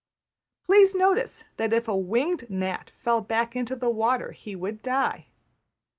\end{equation*} Please notice that if a winged gnat fell back into the water he would die.